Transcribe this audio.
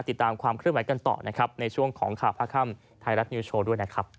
ติดตามความเครื่องหมายกันต่อในช่วงของข่าวพระคัมไทยรัฐนิวโชว์